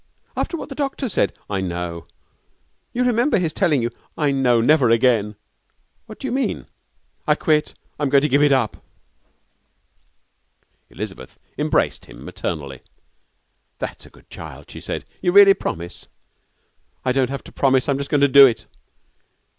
'After what the doctor said.' 'I know.' 'You remember his telling you ' 'I know. Never again!' 'What do you mean?' 'I quit. I'm going to give it up.' Elizabeth embraced him maternally. 'That's a good child!' she said. 'You really promise?' 'I don't have to promise, I'm just going to do it.'